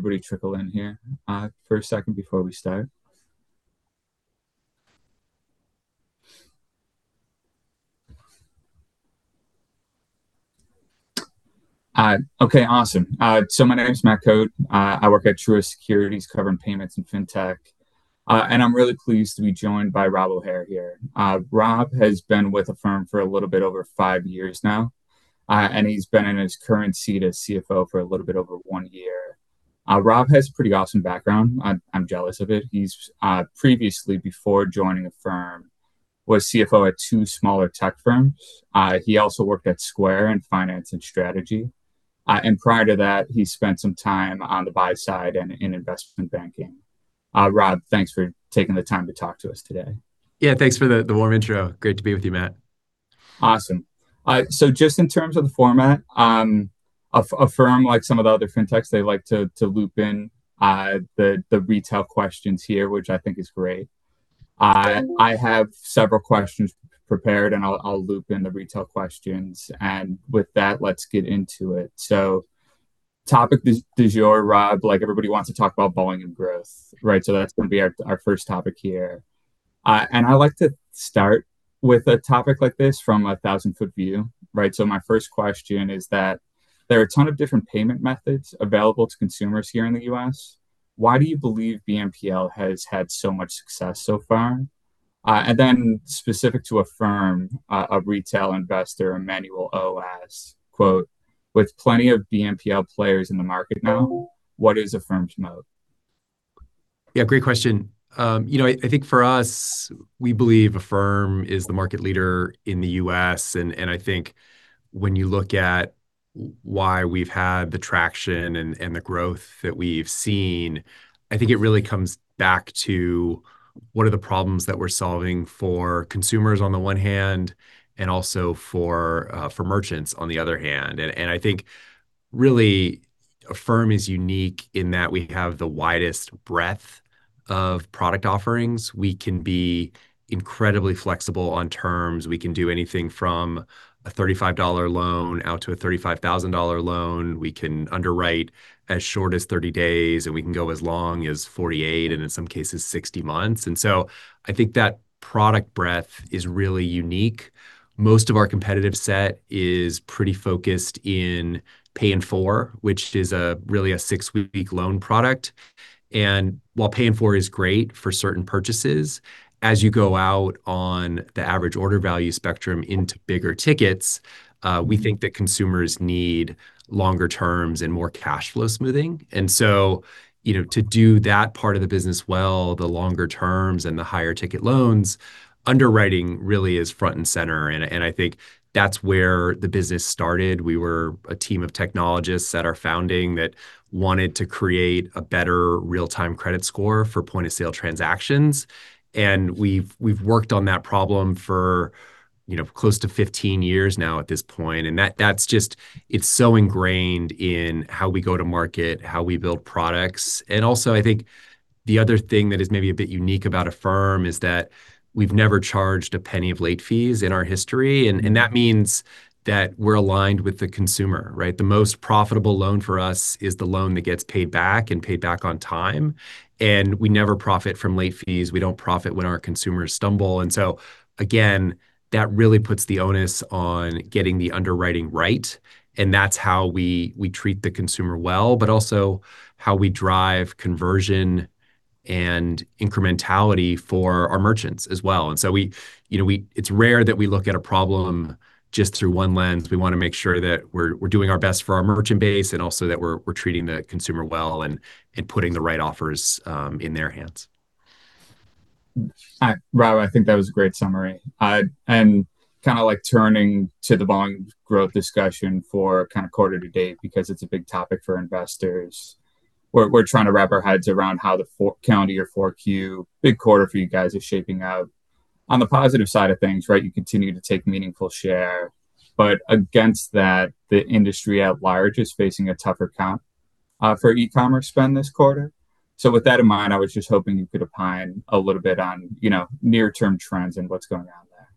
Everybody, trickle in here for a second before we start. Okay, awesome, so my name's Matt Cotes. I work at Truist Securities, covering Payments and Fintech, and I'm really pleased to be joined by Rob O'Hare here. Rob has been with the firm for a little bit over five years now, and he's been in his current seat as CFO for a little bit over one year. Rob has a pretty awesome background. I'm, I'm jealous of it. He's, previously, before joining the firm, was CFO at two smaller tech firms. He also worked at Square in finance and strategy, and prior to that, he spent some time on the buy side and in Investment Banking. Rob, thanks for taking the time to talk to us today. Yeah, thanks for the warm intro. Great to be with you, Matt. Awesome. So just in terms of the format, Affirm like some of the other fintechs, they like to loop in the retail questions here, which I think is great. I have several questions prepared, and I'll loop in the retail questions. With that, let's get into it. Topic du jour, Rob, like everybody wants to talk about volume and growth, right? So that's gonna be our first topic here. I like to start with a topic like this from a thousand-foot view, right? My first question is that there are a ton of different payment methods available to consumers here in the U.S. Why do you believe BNPL has had so much success so far? And then specific to Affirm, a retail investor, Emmanuel Walter asks, quote, "With plenty of BNPL players in the market now, what is Affirm's moat? Yeah, great question. You know, I think for us, we believe Affirm is the market leader in the U.S. And I think when you look at why we've had the traction and the growth that we've seen, I think it really comes back to what are the problems that we're solving for consumers on the one hand and also for merchants on the other hand. And I think really Affirm is unique in that we have the widest breadth of product offerings. We can be incredibly flexible on terms. We can do anything from a $35 loan out to a $35,000 loan. We can underwrite as short as 30 days, and we can go as long as 48 and in some cases 60 months. And so I think that product breadth is really unique. Most of our competitive set is pretty focused in Pay in Four, which is really a six-week loan product. While Pay in Four is great for certain purchases, as you go out on the average order value spectrum into bigger tickets, we think that consumers need longer terms and more cash flow smoothing. So, you know, to do that part of the business well, the longer terms and the higher ticket loans, underwriting really is front and center. And I think that's where the business started. We were a team of technologists at our founding that wanted to create a better real-time credit score for point of sale transactions. And we've worked on that problem for, you know, close to 15 years now at this point. And that's just so ingrained in how we go to market, how we build products. And also, I think the other thing that is maybe a bit unique about Affirm is that we've never charged a penny of late fees in our history. And that means that we're aligned with the consumer, right? The most profitable loan for us is the loan that gets paid back and paid back on time. And we never profit from late fees. We don't profit when our consumers stumble. And so again, that really puts the onus on getting the underwriting right. And that's how we treat the consumer well, but also how we drive conversion and incrementality for our merchants as well. And so, you know, it's rare that we look at a problem just through one lens. We wanna make sure that we're doing our best for our merchant base and also that we're treating the consumer well and putting the right offers in their hands. All right, Rob, I think that was a great summary. And kinda like turning to the volume growth discussion for kind of quarter to date because it's a big topic for investors. We're trying to wrap our heads around how the four calendar year four Q, big quarter for you guys is shaping up on the positive side of things, right? You continue to take meaningful share, but against that, the industry at large is facing a tougher count for e-commerce spend this quarter. So with that in mind, I was just hoping you could opine a little bit on, you know, near-term trends and what's going on there.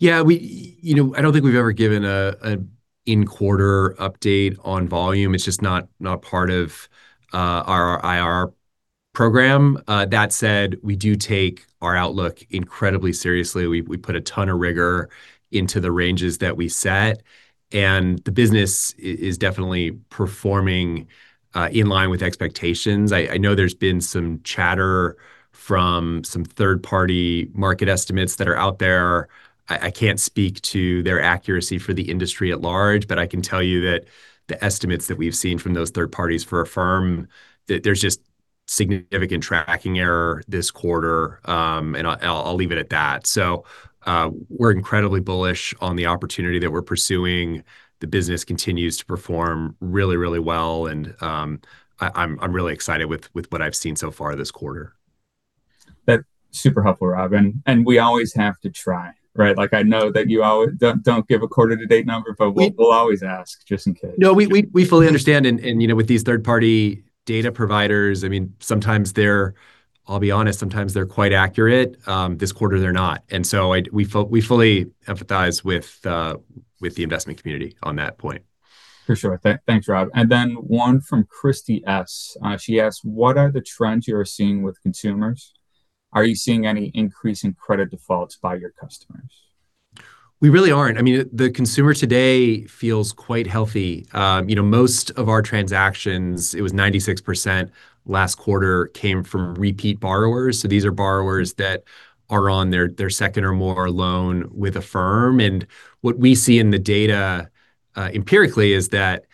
Yeah, we, you know, I don't think we've ever given a, an in-quarter update on volume. It's just not, not part of our IR program. That said, we do take our outlook incredibly seriously. We, we put a ton of rigor into the ranges that we set, and the business is definitely performing in line with expectations. I, I know there's been some chatter from some third-party market estimates that are out there. I, I can't speak to their accuracy for the industry at large, but I can tell you that the estimates that we've seen from those third parties for Affirm, that there's just significant tracking error this quarter, and I'll, I'll leave it at that. So, we're incredibly bullish on the opportunity that we're pursuing. The business continues to perform really, really well. I'm really excited with what I've seen so far this quarter. That's super helpful, Rob. And we always have to try, right? Like, I know that you always don't give a quarter-to-date number, but we'll always ask just in case. No, we fully understand. And, you know, with these third-party data providers, I mean, sometimes they're quite accurate. This quarter, they're not. And so we fully empathize with the investment community on that point. For sure. Thanks, Rob. And then one from Christy S. She asked, what are the trends you're seeing with consumers? Are you seeing any increase in credit defaults by your customers? We really aren't. I mean, the consumer today feels quite healthy. You know, most of our transactions, it was 96% last quarter, came from repeat borrowers. So these are borrowers that are on their second or more loan with Affirm. And what we see in the data, empirically is that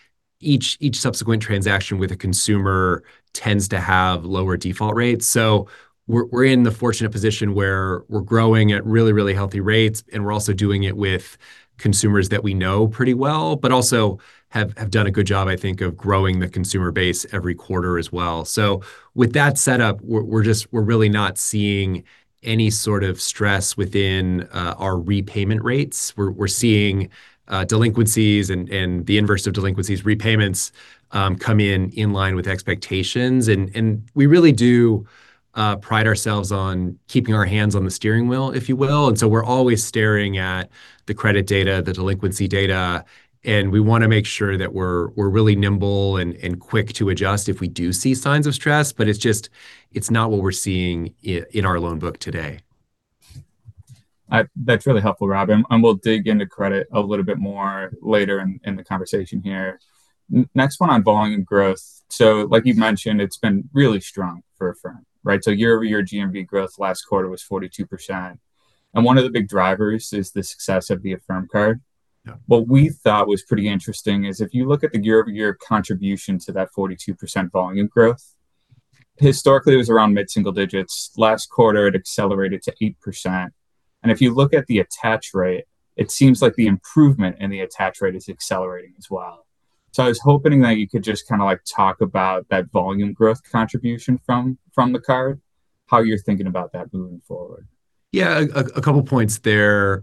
each subsequent transaction with a consumer tends to have lower default rates. So we're in the fortunate position where we're growing at really healthy rates, and we're also doing it with consumers that we know pretty well, but also have done a good job, I think, of growing the consumer base every quarter as well. So with that setup, we're just really not seeing any sort of stress within our repayment rates. We're seeing delinquencies and the inverse of delinquencies, repayments, come in line with expectations. We really do pride ourselves on keeping our hands on the steering wheel, if you will. So we're always staring at the credit data, the delinquency data, and we wanna make sure that we're really nimble and quick to adjust if we do see signs of stress, but it's just not what we're seeing in our loan book today. That's really helpful, Rob. We'll dig into credit a little bit more later in the conversation here. Next one on volume growth. Like you've mentioned, it's been really strong for Affirm, right? Year-over-year GMV growth last quarter was 42%. One of the big drivers is the success of the Affirm Card. What we thought was pretty interesting is if you look at the year-over-year contribution to that 42% volume growth, historically it was around mid-single digits. Last quarter, it accelerated to 8%. And if you look at the attach rate, it seems like the improvement in the attach rate is accelerating as well. So I was hoping that you could just kinda like talk about that volume growth contribution from the card, how you're thinking about that moving forward. Yeah, a couple points there.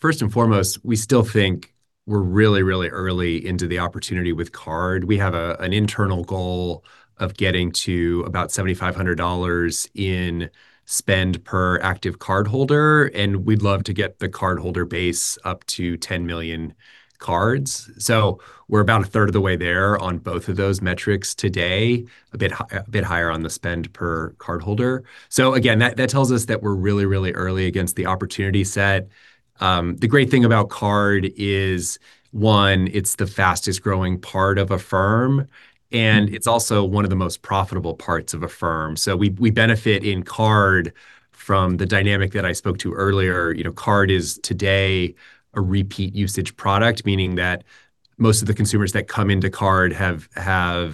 First and foremost, we still think we're really, really early into the opportunity with card. We have an internal goal of getting to about $7,500 in spend per active cardholder, and we'd love to get the cardholder base up to 10 million cards. So we're about a third of the way there on both of those metrics today, a bit high, a bit higher on the spend per cardholder. So again, that tells us that we're really, really early against the opportunity set. The great thing about card is one, it's the fastest growing part of Affirm, and it's also one of the most profitable parts of Affirm. So we benefit in card from the dynamic that I spoke to earlier. You know, card is today a repeat usage product, meaning that most of the consumers that come into card have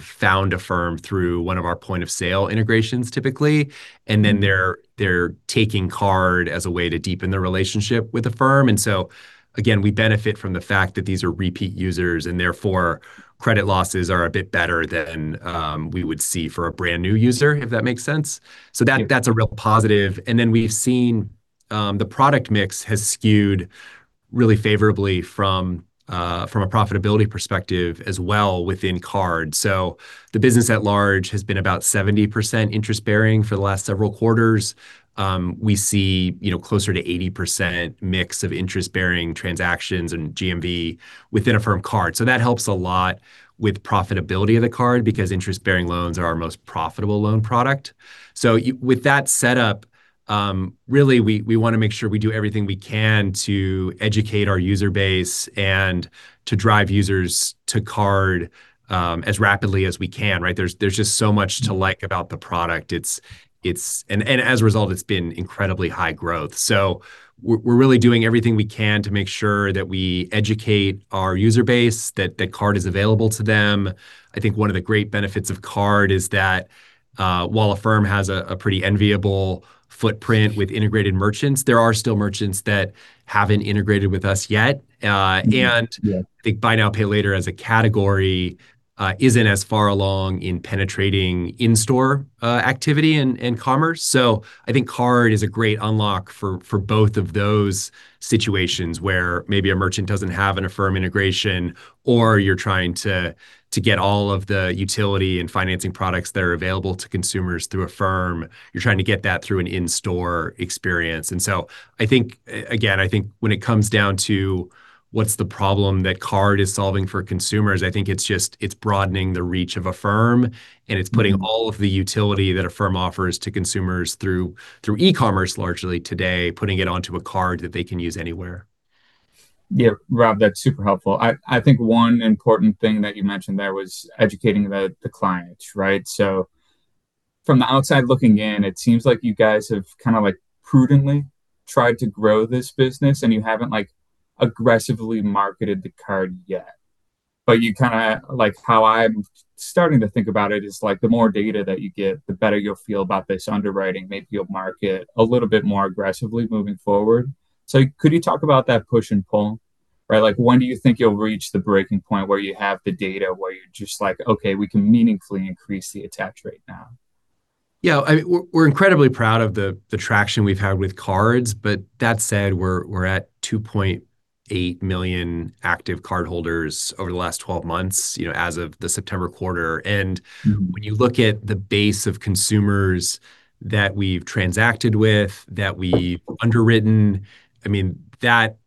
found Affirm through one of our point of sale integrations typically, and then they're taking card as a way to deepen their relationship with Affirm. And so again, we benefit from the fact that these are repeat users and therefore credit losses are a bit better than we would see for a brand new user, if that makes sense. So that, that's a real positive. And then we've seen the product mix has skewed really favorably from a profitability perspective as well within card. So the business at large has been about 70% interest bearing for the last several quarters. We see, you know, closer to 80% mix of interest bearing transactions and GMV within Affirm Card. That helps a lot with profitability of the card because interest bearing loans are our most profitable loan product. With that setup, really we wanna make sure we do everything we can to educate our user base and to drive users to card, as rapidly as we can, right? There's just so much to like about the product. It's and as a result, it's been incredibly high growth. So we're really doing everything we can to make sure that we educate our user base that card is available to them. I think one of the great benefits of card is that while Affirm has a pretty enviable footprint with integrated merchants, there are still merchants that haven't integrated with us yet. And I think buy now, pay later as a category isn't as far along in penetrating in-store activity and commerce. So I think card is a great unlock for both of those situations where maybe a merchant doesn't have an Affirm integration or you're trying to get all of the utility and financing products that are available to consumers through Affirm. You're trying to get that through an in-store experience. And so I think, again, I think when it comes down to what's the problem that card is solving for consumers, I think it's just, it's broadening the reach of Affirm and it's putting all of the utility that Affirm offers to consumers through e-commerce largely today, putting it onto a card that they can use anywhere. Yeah, Rob, that's super helpful. I think one important thing that you mentioned there was educating the client, right? So from the outside looking in, it seems like you guys have kinda like prudently tried to grow this business and you haven't like aggressively marketed the card yet. But you kind of like how I'm starting to think about it is like the more data that you get, the better you'll feel about this underwriting. Maybe you'll market a little bit more aggressively moving forward. So could you talk about that push and pull, right? Like when do you think you'll reach the breaking point where you have the data where you're just like, okay, we can meaningfully increase the attach rate now? Yeah, I mean, we're incredibly proud of the traction we've had with cards, but that said, we're at 2.8 million active cardholders over the last 12 months, you know, as of the September quarter. And when you look at the base of consumers that we've transacted with, that we've underwritten, I mean, that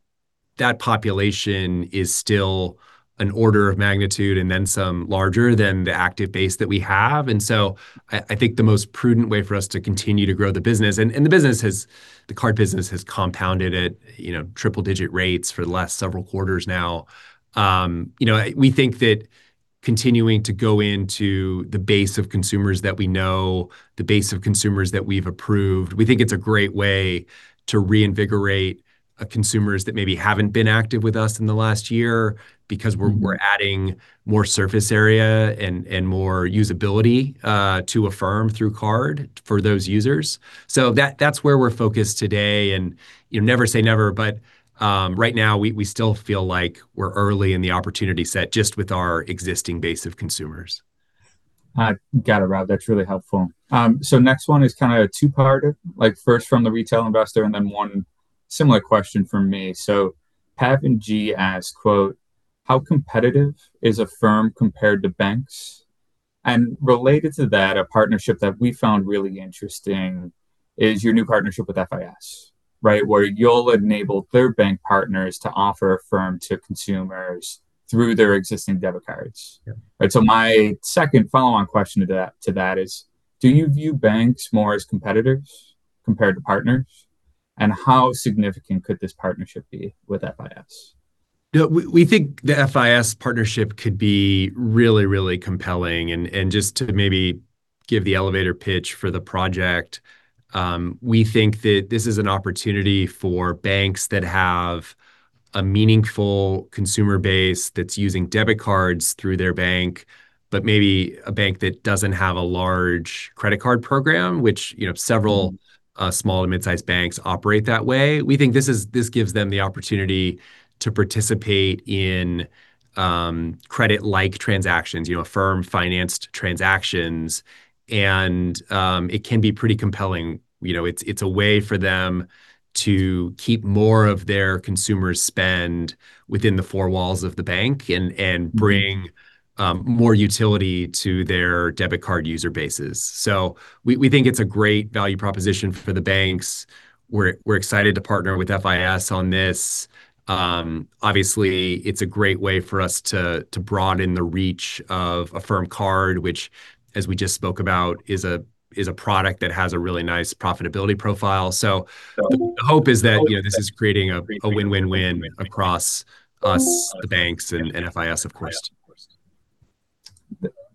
population is still an order of magnitude and then some larger than the active base that we have. And so I think the most prudent way for us to continue to grow the business, and the card business has compounded at, you know, triple-digit rates for the last several quarters now. You know, we think that continuing to go into the base of consumers that we know, the base of consumers that we've approved, we think it's a great way to reinvigorate consumers that maybe haven't been active with us in the last year because we're adding more surface area and more usability to Affirm Card for those users. So that's where we're focused today, and you know, never say never, but right now we still feel like we're early in the opportunity set just with our existing base of consumers. I got it, Rob. That's really helpful. So next one is kinda a two-parted, like first from the retail investor and then one similar question from me. So Pat and G asked, quote, how competitive is Affirm compared to banks? And related to that, a partnership that we found really interesting is your new partnership with FIS, right? Where you'll enable third bank partners to offer Affirm to consumers through their existing debit cards. Yeah. Right. So my second follow-on question to that is, do you view banks more as competitors compared to partners? And how significant could this partnership be with FIS? You know, we think the FIS partnership could be really, really compelling, and just to maybe give the elevator pitch for the project, we think that this is an opportunity for banks that have a meaningful consumer base that's using debit cards through their bank, but maybe a bank that doesn't have a large credit card program, which, you know, several small to mid-sized banks operate that way. We think this gives them the opportunity to participate in credit-like transactions, you know, Affirm-financed transactions, and it can be pretty compelling. You know, it's a way for them to keep more of their consumer spend within the four walls of the bank and bring more utility to their debit card user bases. So we think it's a great value proposition for the banks. We're excited to partner with FIS on this. Obviously, it's a great way for us to broaden the reach of Affirm Card, which, as we just spoke about, is a product that has a really nice profitability profile. So the hope is that, you know, this is creating a win-win-win across us, the banks and FIS, of course.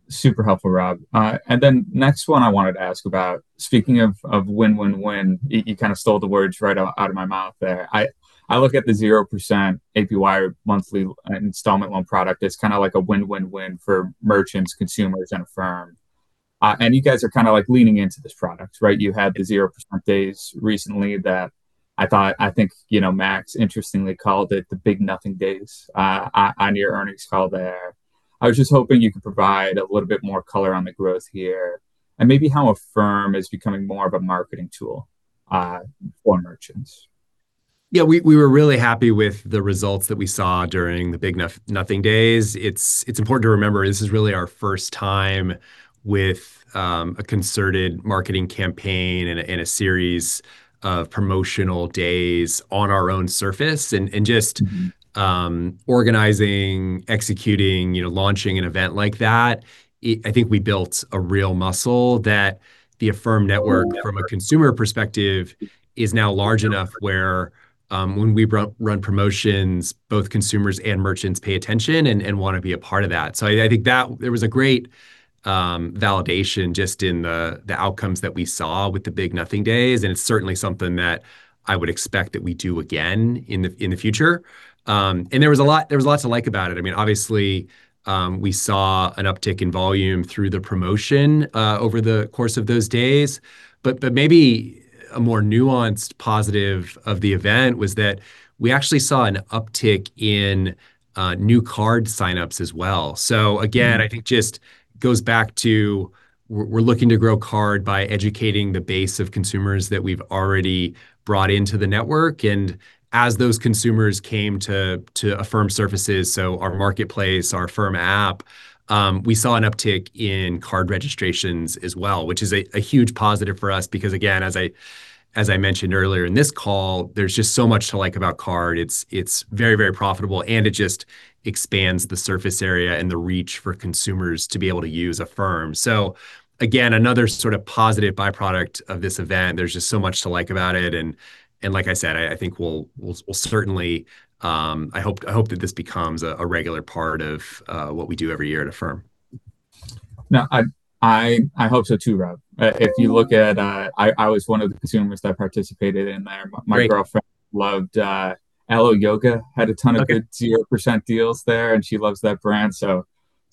Super helpful, Rob. And then next one I wanted to ask about, speaking of win-win-win, you kind of stole the words right out of my mouth there. I look at the 0% APR monthly installment loan product. It's kinda like a win-win-win for merchants, consumers, and Affirm. And you guys are kinda like leaning into this product, right? You had the 0% days recently that I thought you know, Max interestingly called it the Big Nothing Days, on your earnings call there. I was just hoping you could provide a little bit more color on the growth here, and maybe how Affirm is becoming more of a marketing tool for merchants. Yeah, we were really happy with the results that we saw during the Big Nothing Days. It's important to remember this is really our first time with a concerted marketing campaign and a series of promotional days on our own surface, and just organizing, executing, you know, launching an event like that. I think we built a real muscle that the Affirm network from a consumer perspective is now large enough where, when we run promotions, both consumers and merchants pay attention and wanna be a part of that. So I think that there was a great validation just in the outcomes that we saw with the Big Nothing Days. And it's certainly something that I would expect that we do again in the future, and there was a lot to like about it. I mean, obviously, we saw an uptick in volume through the promotion, over the course of those days, but maybe a more nuanced positive of the event was that we actually saw an uptick in new card signups as well. So again, I think just goes back to we're looking to grow card by educating the base of consumers that we've already brought into the network. And as those consumers came to Affirm surfaces, so our marketplace, our Affirm app, we saw an uptick in card registrations as well, which is a huge positive for us because again, as I mentioned earlier in this call, there's just so much to like about card. It's very, very profitable and it just expands the surface area and the reach for consumers to be able to use Affirm. So again, another sort of positive byproduct of this event. There's just so much to like about it. And like I said, I think we'll certainly hope that this becomes a regular part of what we do every year at Affirm. Now, I hope so too, Rob. If you look at, I was one of the consumers that participated in there. My girlfriend loved Alo Yoga, had a ton of good 0% deals there and she loves that brand. So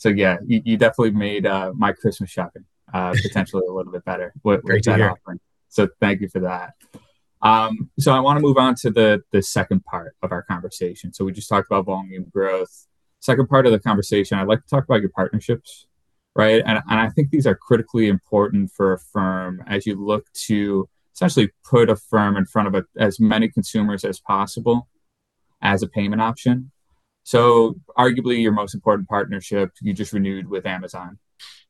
yeah, you definitely made my Christmas shopping potentially a little bit better with your offering. Great job. So thank you for that. So I wanna move on to the second part of our conversation. We just talked about volume growth. Second part of the conversation, I'd like to talk about your partnerships, right? And I think these are critically important for Affirm as you look to essentially put Affirm in front of as many consumers as possible as a payment option. So arguably your most important partnership, you just renewed with Amazon,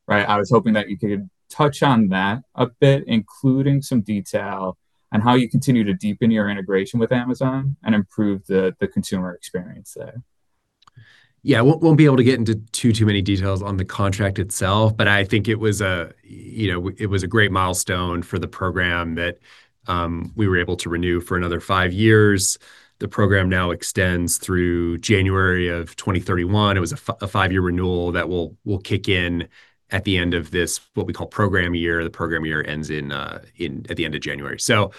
right? I was hoping that you could touch on that a bit, including some detail and how you continue to deepen your integration with Amazon and improve the consumer experience there. Yeah, we won't be able to get into too many details on the contract itself, but I think it was, you know, a great milestone for the program that we were able to renew for another five years. The program now extends through January of 2031. It was a five-year renewal that will kick in at the end of this, what we call program year. The program year ends at the end of January. So,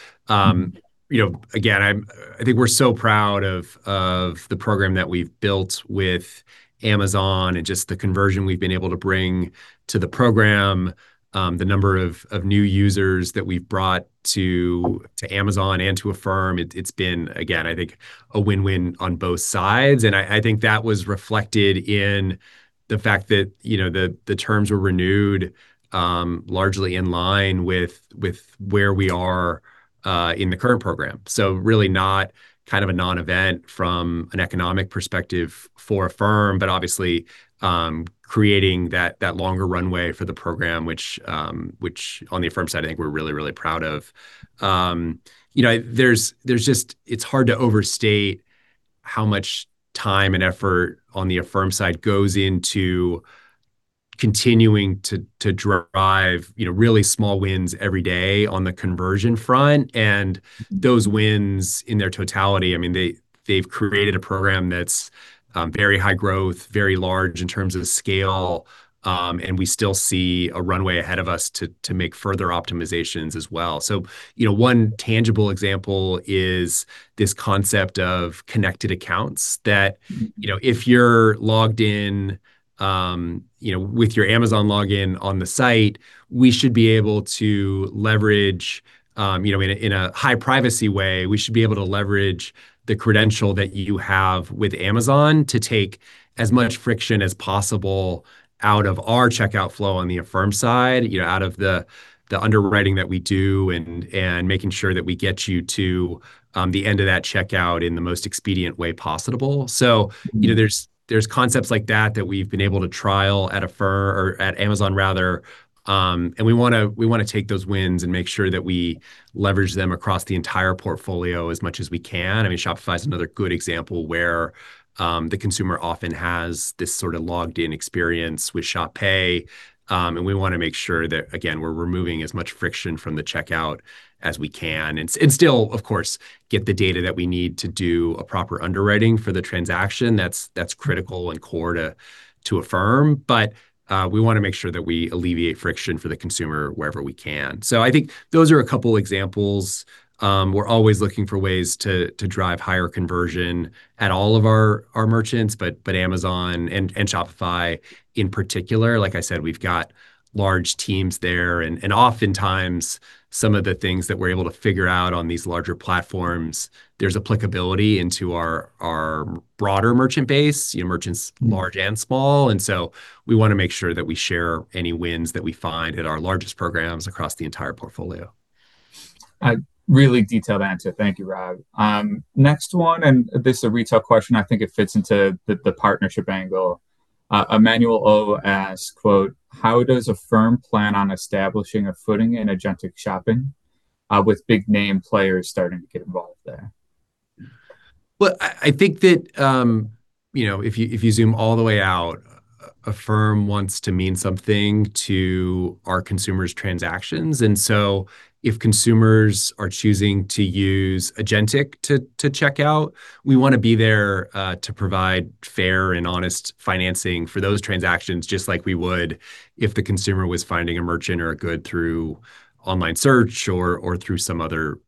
you know, again, I think we're so proud of the program that we've built with Amazon and just the conversion we've been able to bring to the program, the number of new users that we've brought to Amazon and to Affirm. It's been, again, I think a win-win on both sides. I think that was reflected in the fact that, you know, the terms were renewed, largely in line with where we are in the current program. So really not kind of a non-event from an economic perspective for Affirm, but obviously creating that longer runway for the program, which on the Affirm side, I think we're really proud of. You know, there's just it's hard to overstate how much time and effort on the Affirm side goes into continuing to drive, you know, really small wins every day on the conversion front. And those wins in their totality, I mean, they've created a program that's very high growth, very large in terms of scale, and we still see a runway ahead of us to make further optimizations as well. You know, one tangible example is this concept of connected accounts that, you know, if you're logged in, you know, with your Amazon login on the site, we should be able to leverage, you know, in a high privacy way. We should be able to leverage the credential that you have with Amazon to take as much friction as possible out of our checkout flow on the Affirm side, you know, out of the underwriting that we do and making sure that we get you to the end of that checkout in the most expedient way possible. You know, there are concepts like that that we've been able to trial at Affirm or at Amazon rather, and we want to take those wins and make sure that we leverage them across the entire portfolio as much as we can. I mean, Shopify is another good example where the consumer often has this sort of logged-in experience with Shop Pay, and we wanna make sure that, again, we're removing as much friction from the checkout as we can and still, of course, get the data that we need to do a proper underwriting for the transaction. That's critical and core to Affirm. But we wanna make sure that we alleviate friction for the consumer wherever we can, so I think those are a couple examples. We're always looking for ways to drive higher conversion at all of our merchants, but Amazon and Shopify in particular. Like I said, we've got large teams there and oftentimes some of the things that we're able to figure out on these larger platforms, there's applicability into our broader merchant base, you know, merchants large and small. And so we wanna make sure that we share any wins that we find at our largest programs across the entire portfolio. A really detailed answer. Thank you, Rob. Next one, and this is a retail question. I think it fits into the partnership angle. Emmanuel O asked, "How does Affirm plan on establishing a footing in agentic shopping, with big name players starting to get involved there? I think that, you know, if you zoom all the way out, Affirm wants to mean something to our consumers' transactions. And so if consumers are choosing to use Agentic to checkout, we wanna be there, to provide fair and honest financing for those transactions, just like we would if the consumer was finding a merchant or a good through online search or through some other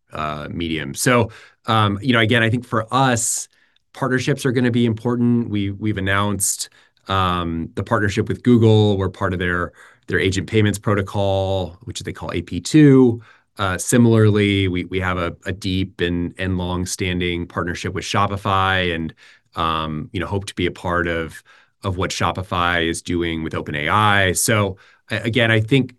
medium. So, you know, again, I think for us, partnerships are gonna be important. We've announced the partnership with Google. We're part of their agent payments protocol, which they call AP2. Similarly, we have a deep and longstanding partnership with Shopify and, you know, hope to be a part of what Shopify is doing with OpenAI. So again, I think,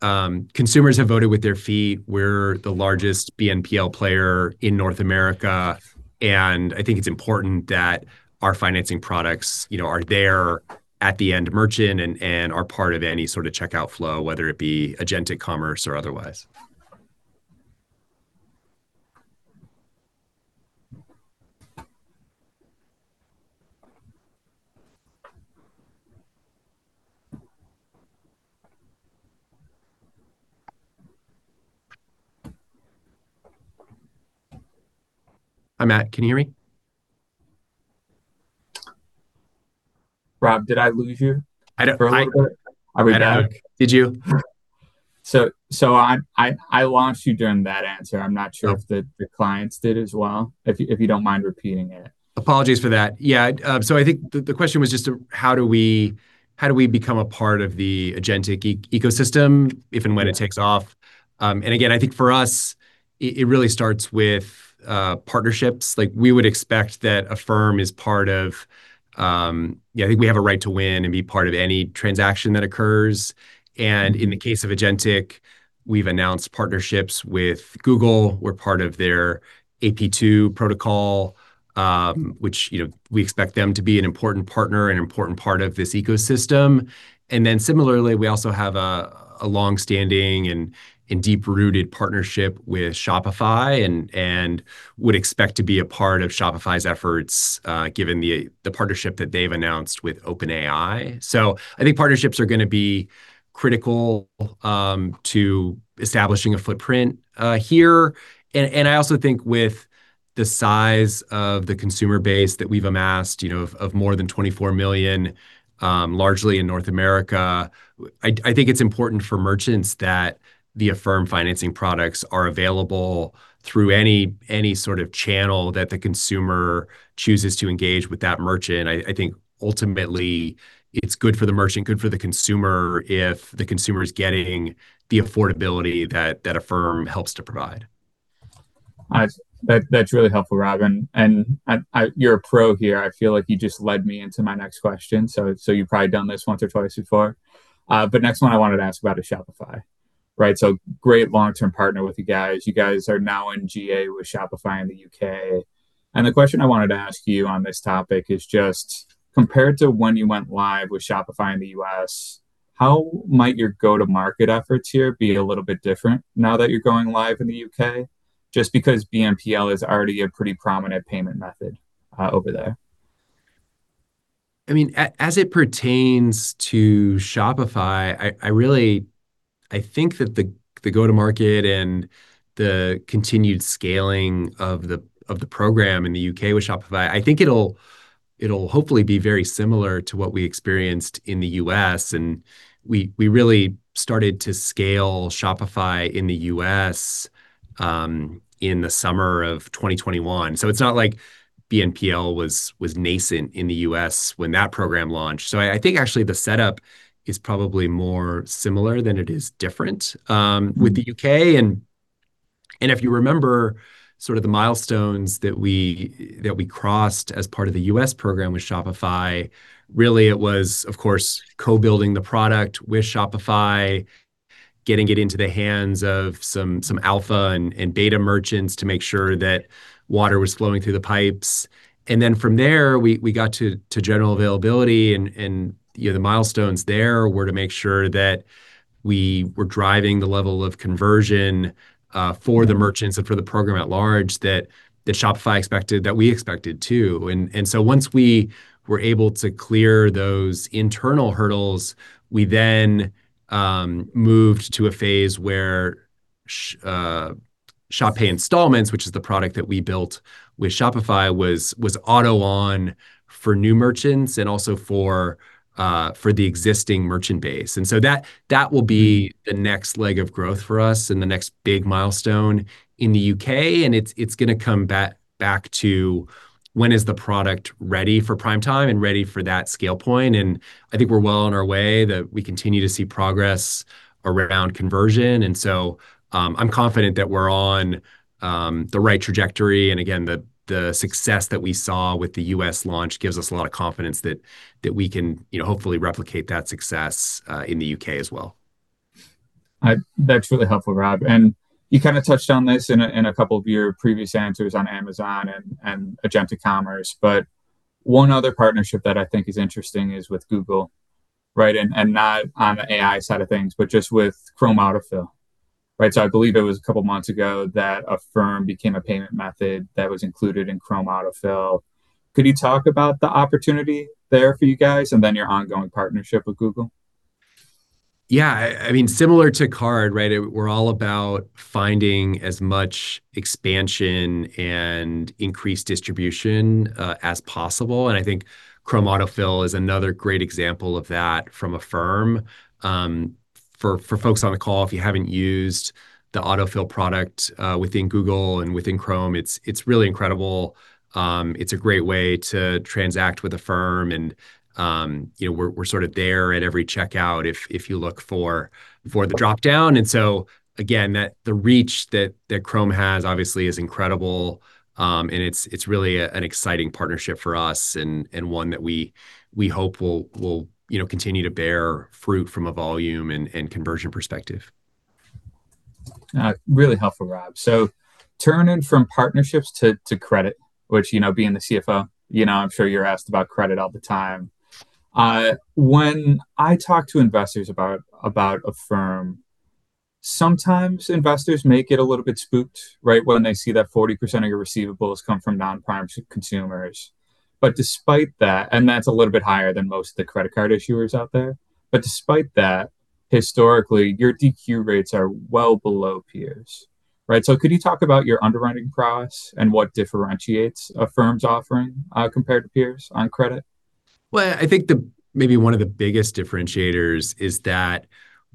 consumers have voted with their feet. We're the largest BNPL player in North America. I think it's important that our financing products, you know, are there at the end, merchant, and are part of any sort of checkout flow, whether it be Agentic Commerce or otherwise. Hi, Matt. Can you hear me? Rob, did I lose you? I didn't. I was back. Did you? So I lost you during that answer. I'm not sure if the clients did as well, if you don't mind repeating it. Apologies for that. Yeah. So I think the question was just how do we become a part of the Agentic ecosystem, if and when it takes off? And again, I think for us, it really starts with partnerships. Like we would expect that Affirm is part of. Yeah, I think we have a right to win and be part of any transaction that occurs. And in the case of Agentic, we've announced partnerships with Google. We're part of their AP2 protocol, which, you know, we expect them to be an important partner, an important part of this ecosystem. And then similarly, we also have a longstanding and deep-rooted partnership with Shopify and would expect to be a part of Shopify's efforts, given the partnership that they've announced with OpenAI. So I think partnerships are gonna be critical to establishing a footprint here. And I also think with the size of the consumer base that we've amassed, you know, of more than 24 million, largely in North America, I think it's important for merchants that the Affirm financing products are available through any sort of channel that the consumer chooses to engage with that merchant. I think ultimately it's good for the merchant, good for the consumer if the consumer's getting the affordability that Affirm helps to provide. That's really helpful, Rob. And I, you're a pro here. I feel like you just led me into my next question. So you've probably done this once or twice before. But next one I wanted to ask about is Shopify, right? So great long-term partner with you guys. You guys are now in GA with Shopify in the U.K. And the question I wanted to ask you on this topic is just compared to when you went live with Shopify in the U.S., how might your go-to-market efforts here be a little bit different now that you're going live in the U.K.? Just because BNPL is already a pretty prominent payment method over there. I mean, as it pertains to Shopify, I really think that the go-to-market and the continued scaling of the program in the U.K. with Shopify, I think it'll hopefully be very similar to what we experienced in the U.S. And we really started to scale Shopify in the U.S., in the summer of 2021. So it's not like BNPL was nascent in the U.S. when that program launched. So I think actually the setup is probably more similar than it is different, with the U.K. And if you remember sort of the milestones that we crossed as part of the U.S. program with Shopify, really it was, of course, co-building the product with Shopify, getting it into the hands of some alpha and beta merchants to make sure that water was flowing through the pipes. Then from there, we got to general availability and you know the milestones there were to make sure that we were driving the level of conversion for the merchants and for the program at large that Shopify expected that we expected too. Once we were able to clear those internal hurdles, we then moved to a phase where Shop Pay Installments, which is the product that we built with Shopify, was auto-on for new merchants and also for the existing merchant base. That will be the next leg of growth for us and the next big milestone in the U.K.. It's gonna come back to when the product is ready for prime time and ready for that scale point. I think we're well on our way that we continue to see progress around conversion. I'm confident that we're on the right trajectory. Again, the success that we saw with the U.S. launch gives us a lot of confidence that we can, you know, hopefully replicate that success in the U.K. as well. That's really helpful, Rob. And you kind of touched on this in a couple of your previous answers on Amazon and agentic commerce. But one other partnership that I think is interesting is with Google, right? And not on the AI side of things, but just with Chrome Autofill, right? So I believe it was a couple months ago that Affirm became a payment method that was included in Chrome Autofill. Could you talk about the opportunity there for you guys and then your ongoing partnership with Google? Yeah. I mean, similar to card, right? We're all about finding as much expansion and increased distribution as possible. And I think Chrome Autofill is another great example of that from Affirm. For folks on the call, if you haven't used the Autofill product within Google and within Chrome, it's really incredible. It's a great way to transact with Affirm and, you know, we're sort of there at every checkout if you look for the dropdown. And so again, the reach that Chrome has obviously is incredible. And it's really an exciting partnership for us and one that we hope will, you know, continue to bear fruit from a volume and conversion perspective. Really helpful, Rob. So turning from partnerships to, to credit, which, you know, being the CFO, you know, I'm sure you're asked about credit all the time. When I talk to investors about, about Affirm, sometimes investors may get a little bit spooked, right? When they see that 40% of your receivables come from non-primary consumers. But despite that, and that's a little bit higher than most of the credit card issuers out there, but despite that, historically your DQ rates are well below peers, right? So could you talk about your underwriting costs and what differentiates Affirm's offering, compared to peers on credit? I think maybe one of the biggest differentiators is that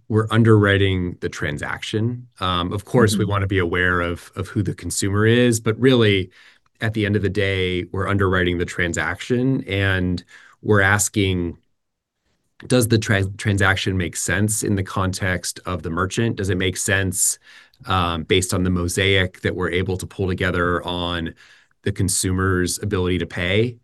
we're underwriting the transaction. Of course we wanna be aware of who the consumer is, but really at the end of the day, we're underwriting the transaction and we're asking, does the transaction make sense in the context of the merchant? Does it make sense, based on the mosaic that we're able to pull together on the consumer's ability to pay?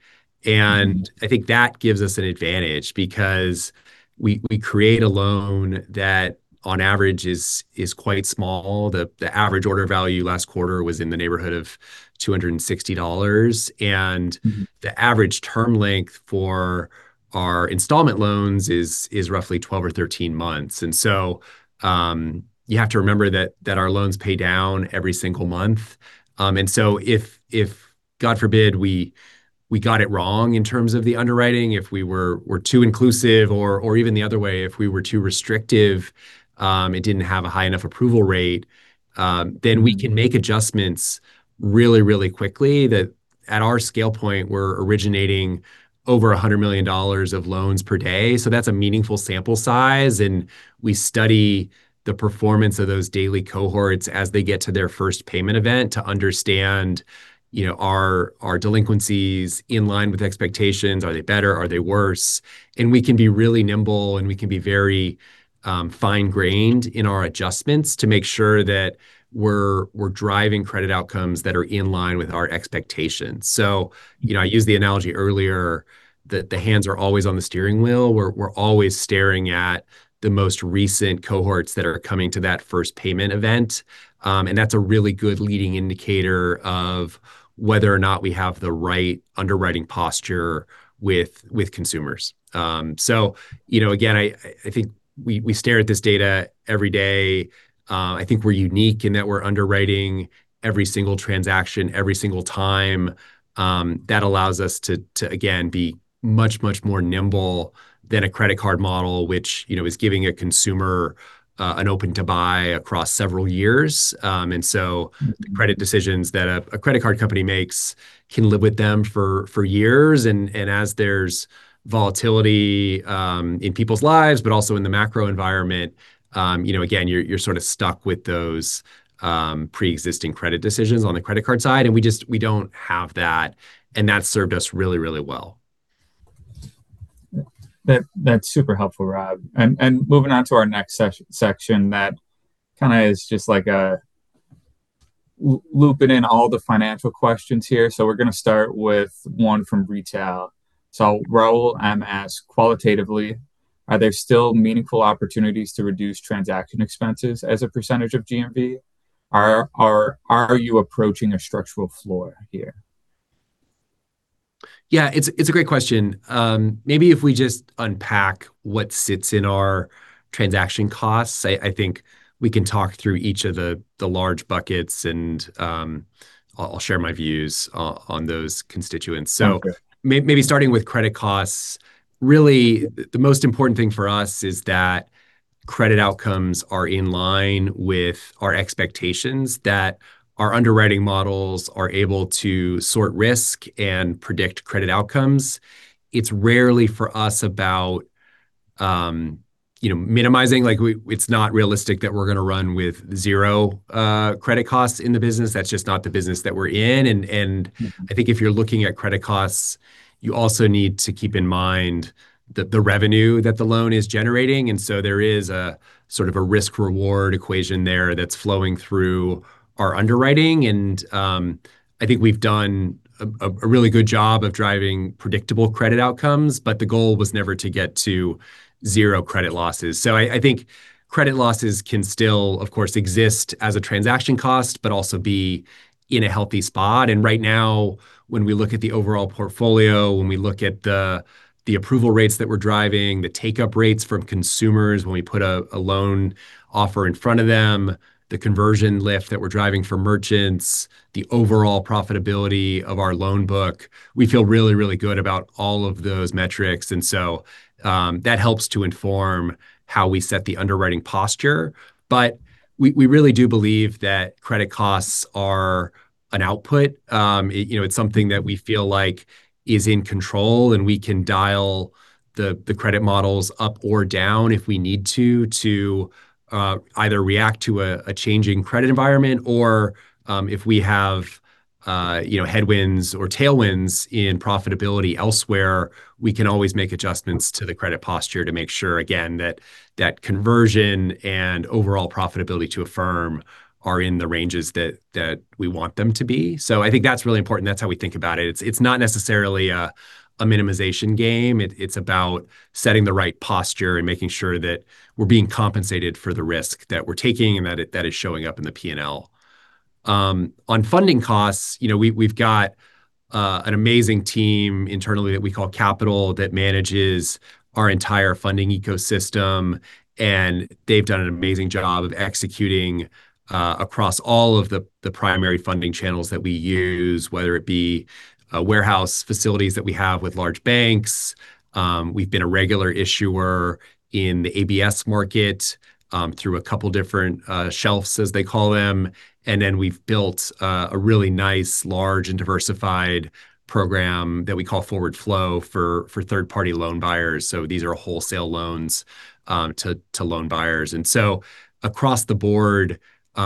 And I think that gives us an advantage because we create a loan that on average is quite small. The average order value last quarter was in the neighborhood of $260. And the average term length for our installment loans is roughly 12 or 13 months. And so you have to remember that our loans pay down every single month. And so if God forbid we got it wrong in terms of the underwriting, if we were too inclusive or even the other way, if we were too restrictive, it didn't have a high enough approval rate, then we can make adjustments really quickly that at our scale point, we're originating over $100 million of loans per day. So that's a meaningful sample size. And we study the performance of those daily cohorts as they get to their first payment event to understand, you know, our delinquencies in line with expectations. Are they better? Are they worse? And we can be really nimble and we can be very fine-grained in our adjustments to make sure that we're driving credit outcomes that are in line with our expectations. So, you know, I used the analogy earlier that the hands are always on the steering wheel. We're always staring at the most recent cohorts that are coming to that first payment event. And that's a really good leading indicator of whether or not we have the right underwriting posture with consumers. So, you know, again, I think we stare at this data every day. I think we're unique in that we're underwriting every single transaction, every single time. That allows us to again be much more nimble than a credit card model, which, you know, is giving a consumer an open to buy across several years. And so the credit decisions that a credit card company makes can live with them for years. As there's volatility in people's lives, but also in the macro environment, you know, again, you're sort of stuck with those pre-existing credit decisions on the credit card side. We just don't have that. That's served us really, really well. That that's super helpful, Rob. And moving on to our next section that kind of is just like a looping in all the financial questions here. So we're gonna start with one from retail. So I'll roll MS qualitatively. Are there still meaningful opportunities to reduce transaction expenses as a percentage of GMV? Are you approaching a structural floor here? Yeah, it's a great question. Maybe if we just unpack what sits in our transaction costs, I think we can talk through each of the large buckets and, I'll share my views on those constituents. So maybe starting with credit costs, really the most important thing for us is that credit outcomes are in line with our expectations, that our underwriting models are able to sort risk and predict credit outcomes. It's rarely for us about, you know, minimizing, like it's not realistic that we're gonna run with zero credit costs in the business. That's just not the business that we're in. And I think if you're looking at credit costs, you also need to keep in mind that the revenue that the loan is generating. And so there is a sort of a risk-reward equation there that's flowing through our underwriting. I think we've done a really good job of driving predictable credit outcomes, but the goal was never to get to zero credit losses. I think credit losses can still, of course, exist as a transaction cost, but also be in a healthy spot. Right now, when we look at the overall portfolio, when we look at the approval rates that we're driving, the take-up rates from consumers when we put a loan offer in front of them, the conversion lift that we're driving for merchants, the overall profitability of our loan book, we feel really, really good about all of those metrics. That helps to inform how we set the underwriting posture. We really do believe that credit costs are an output. You know, it's something that we feel like is in control and we can dial the credit models up or down if we need to, to either react to a changing credit environment or if we have, you know, headwinds or tailwinds in profitability elsewhere, we can always make adjustments to the credit posture to make sure, again, that conversion and overall profitability to Affirm are in the ranges that we want them to be. So I think that's really important. That's how we think about it. It's not necessarily a minimization game. It's about setting the right posture and making sure that we're being compensated for the risk that we're taking and that it is showing up in the P&L. On funding costs, you know, we, we've got an amazing team internally that we call Capital that manages our entire funding ecosystem. And they've done an amazing job of executing across all of the primary funding channels that we use, whether it be warehouse facilities that we have with large banks. We've been a regular issuer in the ABS market through a couple different shelves, as they call them. And then we've built a really nice, large and diversified program that we call Forward Flow for third-party loan buyers. So these are wholesale loans to loan buyers. And so across the board,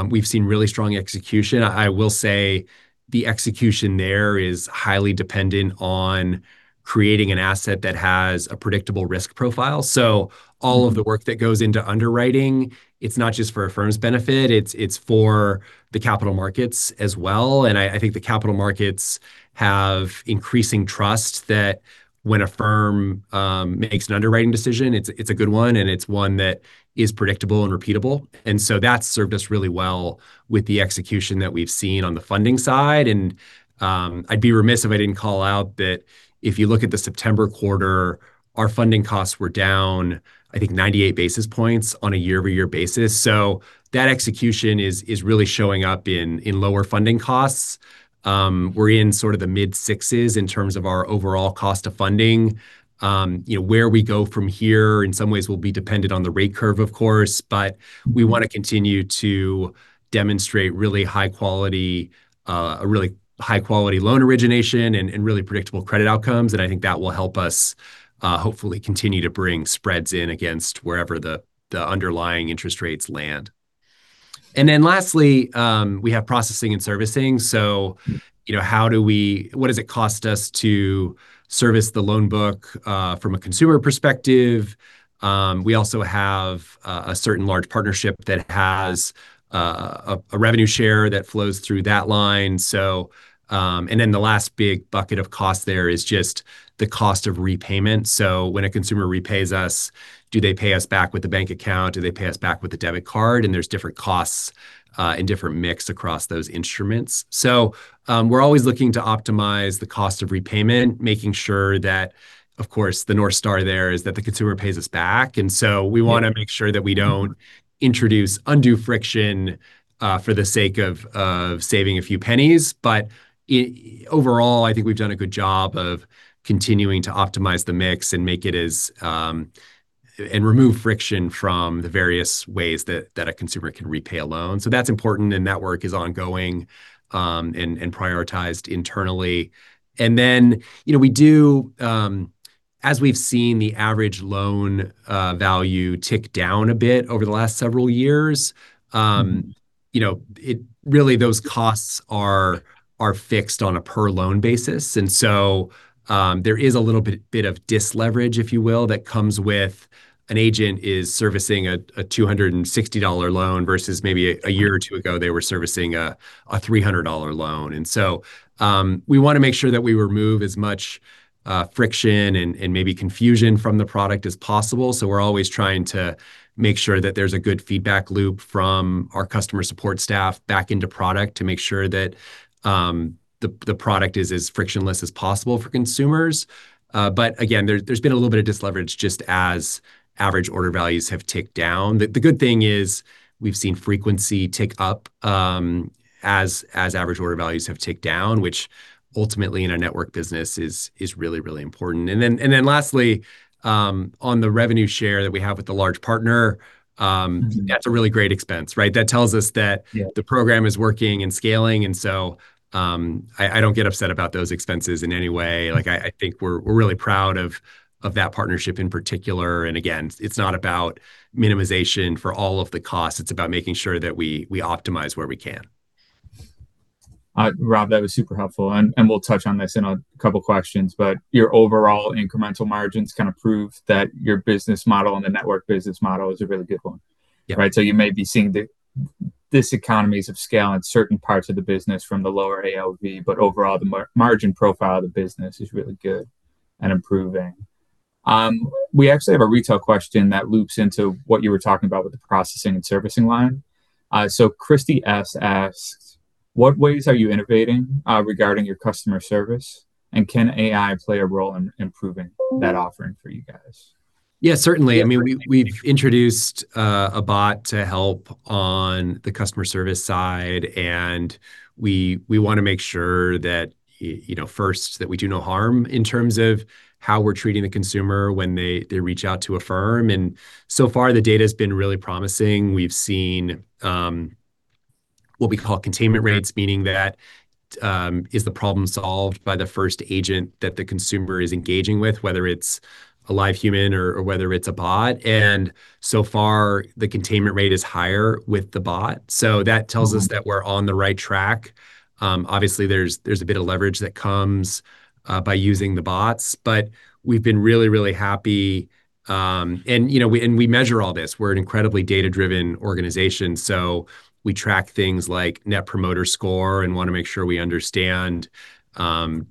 we've seen really strong execution. I will say the execution there is highly dependent on creating an asset that has a predictable risk profile. All of the work that goes into underwriting, it's not just for Affirm's benefit, it's for the capital markets as well. And I think the capital markets have increasing trust that when Affirm makes an underwriting decision, it's a good one and it's one that is predictable and repeatable. And so that's served us really well with the execution that we've seen on the funding side. And I'd be remiss if I didn't call out that if you look at the September quarter, our funding costs were down, I think, 98 basis points on a year-over-year basis. So that execution is really showing up in lower funding costs. We're in sort of the mid-sixes in terms of our overall cost of funding. You know, where we go from here in some ways will be dependent on the rate curve, of course, but we wanna continue to demonstrate really high quality, a really high quality loan origination and really predictable credit outcomes, and I think that will help us, hopefully continue to bring spreads in against wherever the underlying interest rates land, and then lastly, we have processing and servicing, so you know, how do we, what does it cost us to service the loan book, from a consumer perspective? We also have a certain large partnership that has a revenue share that flows through that line, so and then the last big bucket of cost there is just the cost of repayment. So when a consumer repays us, do they pay us back with the bank account? Do they pay us back with the debit card? There's different costs in different mix across those instruments. So, we're always looking to optimize the cost of repayment, making sure that, of course, the North Star there is that the consumer pays us back. And so we wanna make sure that we don't introduce undue friction for the sake of saving a few pennies. But overall, I think we've done a good job of continuing to optimize the mix and remove friction from the various ways that a consumer can repay a loan. So that's important and that work is ongoing and prioritized internally. And then, you know, we do, as we've seen the average loan value tick down a bit over the last several years, you know, it really those costs are fixed on a per loan basis. And so, there is a little bit of deleverage, if you will, that comes with an agent servicing a $260 loan versus maybe a year or two ago, they were servicing a $300 loan. And so, we wanna make sure that we remove as much friction and maybe confusion from the product as possible. So we're always trying to make sure that there's a good feedback loop from our customer support staff back into product to make sure that the product is as frictionless as possible for consumers. But again, there's been a little bit of deleverage just as average order values have ticked down. The good thing is we've seen frequency tick up, as average order values have ticked down, which ultimately in a network business is really important. And then, and then lastly, on the revenue share that we have with the large partner, that's a really great expense, right? That tells us that the program is working and scaling. And so, I don't get upset about those expenses in any way. Like, I think we're really proud of that partnership in particular. And again, it's not about minimization for all of the costs. It's about making sure that we optimize where we can. Rob, that was super helpful. And we'll touch on this in a couple questions, but your overall incremental margins kind of prove that your business model and the network business model is a really good one. Yeah. Right. So you may be seeing the diseconomies of scale in certain parts of the business from the lower ALV, but overall the margin profile of the business is really good and improving. We actually have a retail question that loops into what you were talking about with the processing and servicing line. So Christy S asks, what ways are you innovating regarding your customer service? And can AI play a role in improving that offering for you guys? Yeah, certainly. I mean, we've introduced a bot to help on the customer service side, and we wanna make sure that, you know, first, that we do no harm in terms of how we're treating the consumer when they reach out to Affirm. And so far, the data has been really promising. We've seen what we call containment rates, meaning that is the problem solved by the first agent that the consumer is engaging with, whether it's a live human or whether it's a bot. And so far, the containment rate is higher with the bot. So that tells us that we're on the right track. Obviously there's a bit of leverage that comes by using the bots, but we've been really, really happy, and, you know, we measure all this. We're an incredibly data-driven organization. We track things like Net Promoter Score and wanna make sure we understand,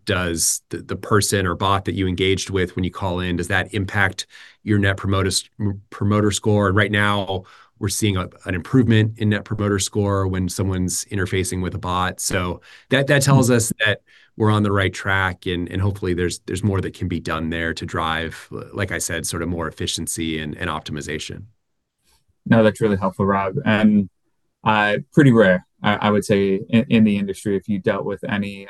does the person or bot that you engaged with when you call in, does that impact your Net Promoter Score? Right now we're seeing an improvement in Net Promoter Score when someone's interfacing with a bot. That tells us that we're on the right track. And hopefully there's more that can be done there to drive, like I said, sort of more efficiency and optimization. No, that's really helpful, Rob. And pretty rare, I would say in the industry if you dealt with any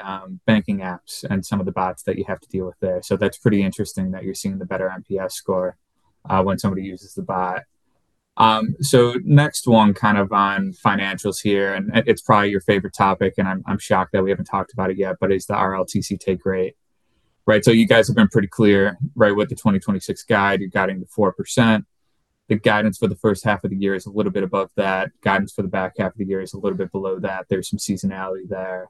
banking apps and some of the bots that you have to deal with there. So that's pretty interesting that you're seeing the better NPS score when somebody uses the bot, so next one kind of on financials here, and it's probably your favorite topic, and I'm shocked that we haven't talked about it yet, but it's the RLTC take rate, right? So you guys have been pretty clear, right? With the 2026 guide, you're guiding to 4%. The guidance for the first half of the year is a little bit above that. Guidance for the back half of the year is a little bit below that. There's some seasonality there.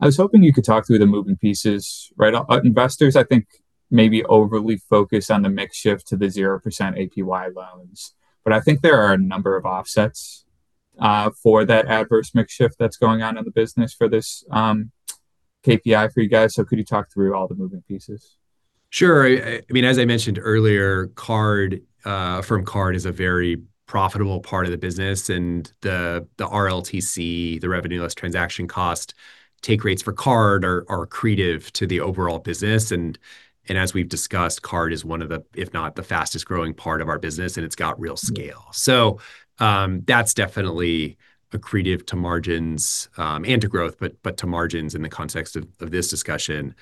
I was hoping you could talk through the moving pieces, right? Investors, I think maybe overly focused on the mix shift to the 0% APR loans, but I think there are a number of offsets for that adverse mix shift that's going on in the business for this KPI for you guys. So could you talk through all the moving pieces? Sure. I mean, as I mentioned earlier, card, Affirm Card is a very profitable part of the business. And the RLTC, the revenue less transaction cost take rates for card are accretive to the overall business. And as we've discussed, card is one of the, if not the fastest growing part of our business, and it's got real scale. So, that's definitely accretive to margins, and to growth, but to margins in the context of this discussion.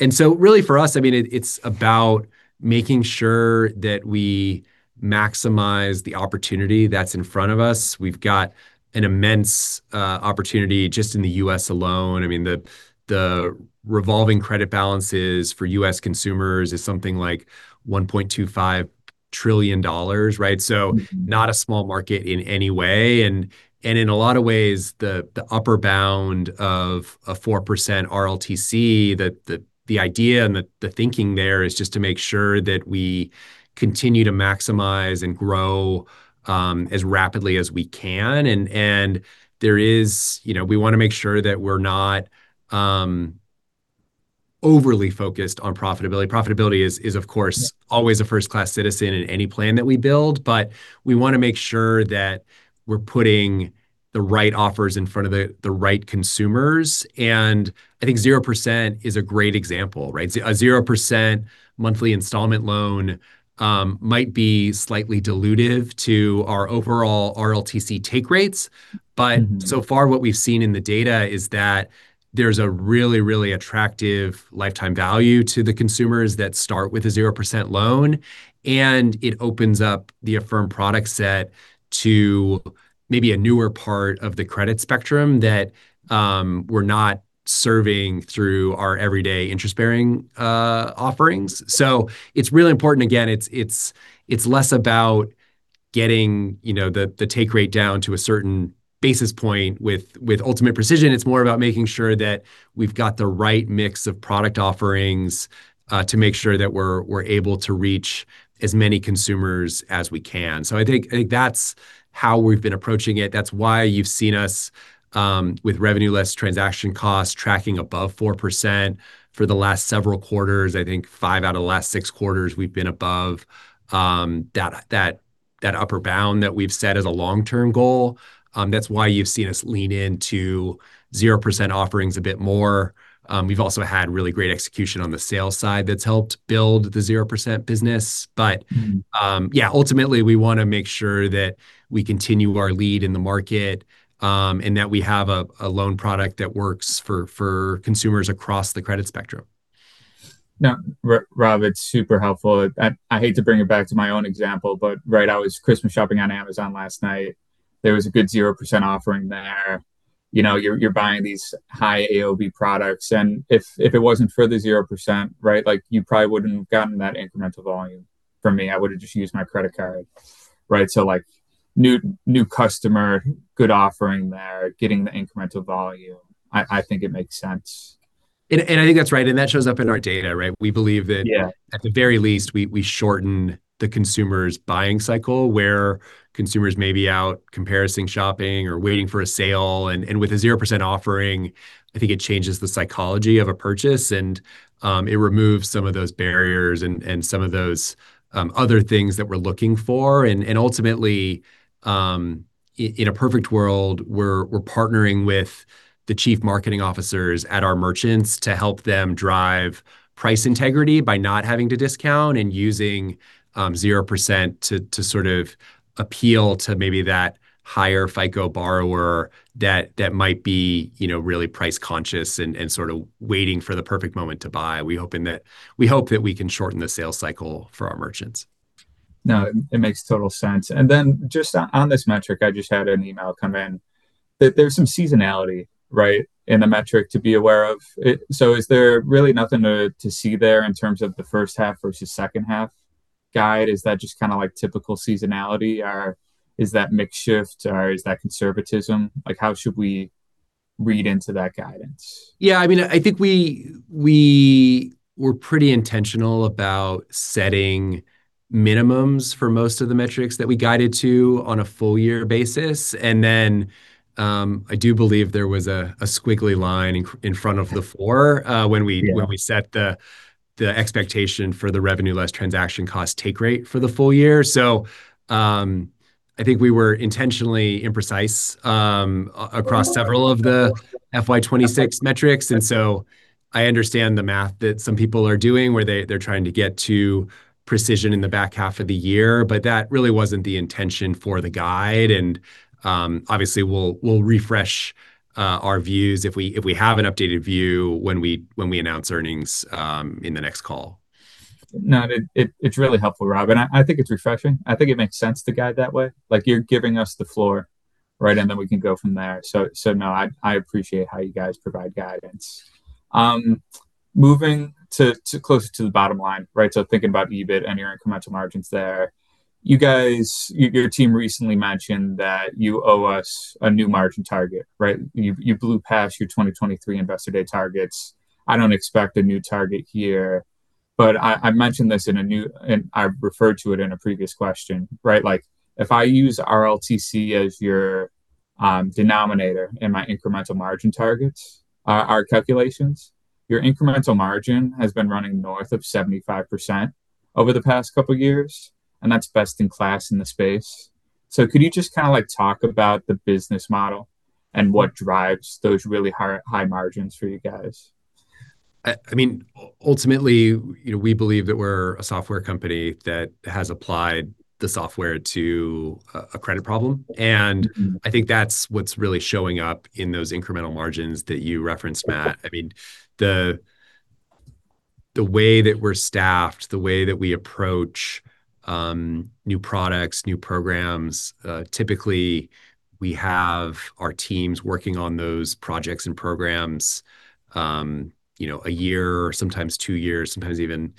And so really for us, I mean, it, it's about making sure that we maximize the opportunity that's in front of us. We've got an immense opportunity just in the U.S. alone. I mean, the revolving credit balances for U.S. consumers is something like $1.25 trillion, right? So not a small market in any way. In a lot of ways, the upper bound of a 4% RLTC, the idea and the thinking there is just to make sure that we continue to maximize and grow as rapidly as we can. There is, you know, we wanna make sure that we're not overly focused on profitability. Profitability is, of course, always a first-class citizen in any plan that we build, but we wanna make sure that we're putting the right offers in front of the right consumers. I think 0% is a great example, right? A 0% monthly installment loan might be slightly dilutive to our overall RLTC take rates. But so far, what we've seen in the data is that there's a really, really attractive lifetime value to the consumers that start with a 0% loan, and it opens up the Affirm product set to maybe a newer part of the credit spectrum that we're not serving through our everyday interest-bearing offerings. So it's really important. Again, it's less about getting, you know, the take rate down to a certain basis point with ultimate precision. It's more about making sure that we've got the right mix of product offerings to make sure that we're able to reach as many consumers as we can. So I think that's how we've been approaching it. That's why you've seen us with revenue less transaction costs tracking above 4% for the last several quarters. I think five out of the last six quarters we've been above that upper bound that we've set as a long-term goal. That's why you've seen us lean into 0% offerings a bit more. We've also had really great execution on the sales side that's helped build the 0% business. But, yeah, ultimately we wanna make sure that we continue our lead in the market, and that we have a loan product that works for consumers across the credit spectrum. Now, Rob, it's super helpful. I hate to bring it back to my own example, but right, I was Christmas shopping on Amazon last night. There was a good 0% offering there. You know, you're buying these high AOV products. And if it wasn't for the 0%, right, like you probably wouldn't have gotten that incremental volume for me. I would've just used my credit card, right? So like new customer, good offering there, getting the incremental volume. I think it makes sense. And I think that's right. And that shows up in our data, right? We believe that at the very least, we shorten the consumer's buying cycle where consumers may be out comparison shopping or waiting for a sale. And with a 0% offering, I think it changes the psychology of a purchase and it removes some of those barriers and some of those other things that we're looking for. And ultimately, in a perfect world, we're partnering with the Chief Marketing Officers at our merchants to help them drive price integrity by not having to discount and using 0% to sort of appeal to maybe that higher FICO borrower that might be, you know, really price conscious and sort of waiting for the perfect moment to buy. We hope that we can shorten the sales cycle for our merchants. No, it makes total sense and then just on this metric, I just had an email come in that there's some seasonality, right, in the metric to be aware of it so is there really nothing to see there in terms of the first half versus second half guidance? Is that just kind of like typical seasonality or is that mix shift or is that conservatism? Like how should we read into that guidance? Yeah, I mean, I think we were pretty intentional about setting minimums for most of the metrics that we guided to on a full year basis. And then, I do believe there was a squiggly line in front of the four, when we set the expectation for the revenue less transaction cost take rate for the full year. So, I think we were intentionally imprecise, across several of the FY 2026 metrics. And so I understand the math that some people are doing where they're trying to get to precision in the back half of the year, but that really wasn't the intention for the guide. And, obviously we'll refresh our views if we have an updated view when we announce earnings in the next call. No, it's really helpful, Rob. And I think it's refreshing. I think it makes sense to guide that way. Like you're giving us the floor, right? And then we can go from there. So no, I appreciate how you guys provide guidance. Moving to closer to the bottom line, right? So thinking about EBIT and your incremental margins there, you guys, your team recently mentioned that you owe us a new margin target, right? You blew past your 2023 Investor Day targets. I don't expect a new target here, but I mentioned this in a new, and I referred to it in a previous question, right? Like if I use RLTC as your denominator in my incremental margin targets, our calculations, your incremental margin has been running north of 75% over the past couple of years, and that's best in class in the space. So could you just kind of like talk about the business model and what drives those really high margins for you guys? I mean, ultimately, you know, we believe that we're a software company that has applied the software to a credit problem. And I think that's what's really showing up in those incremental margins that you referenced, Matt. I mean, the way that we're staffed, the way that we approach new products, new programs, typically we have our teams working on those projects and programs, you know, a year, sometimes two years, sometimes even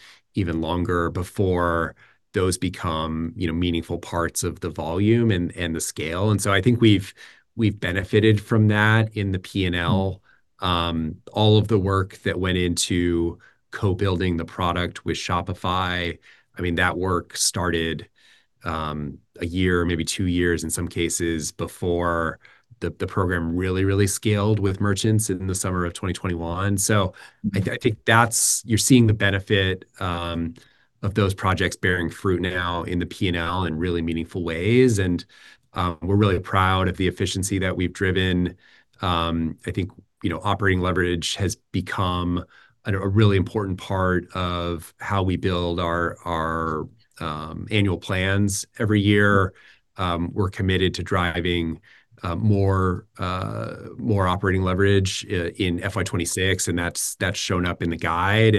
longer before those become, you know, meaningful parts of the volume and the scale. And so I think we've benefited from that in the P&L, all of the work that went into co-building the product with Shopify. I mean, that work started a year, maybe two years in some cases before the program really scaled with merchants in the summer of 2021. I think you're seeing the benefit of those projects bearing fruit now in the P&L in really meaningful ways. We're really proud of the efficiency that we've driven. I think you know operating leverage has become a really important part of how we build our annual plans every year. We're committed to driving more operating leverage in FY 26. That's shown up in the guide.